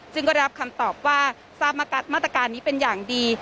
ซึ่งก็ได้รับคำตอบว่าทราบมาตรการนี้เป็นอย่างดี